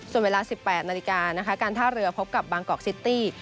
ส่วนเวลา๑๘นาฬิกานะคะการท่าเรือพบกับบางกอกซิตี้